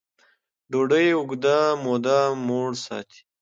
ډوډۍ اوږده موده موړ ساتي.